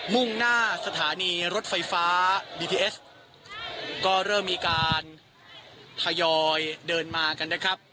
มุ่งหน้าสถานีรถไฟฟ้าบีทีเอสก็เริ่มมีการทยอยเดินมากันนะครับ